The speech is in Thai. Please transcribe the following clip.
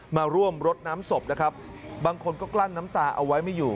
มาร่วมรดน้ำศพนะครับบางคนก็กลั้นน้ำตาเอาไว้ไม่อยู่